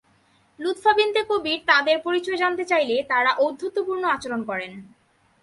লুৎফা বিনতে কবীর তাঁদের পরিচয় জানতে চাইলে তাঁরা ঔদ্ধত্যপূর্ণ আচরণ করেন।